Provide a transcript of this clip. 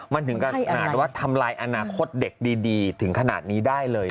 มันถึงขนาดว่าทำลายอนาคตเด็กดีถึงขนาดนี้ได้เลย